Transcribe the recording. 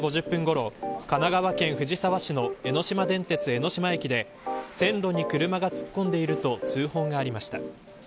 昨日午後８時５０分ごろ神奈川県藤沢市の江ノ島電鉄江ノ島駅で線路に車が突っ込んでいると通報がありました。